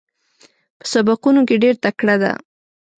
په سبقونو کې ډېره تکړه ده.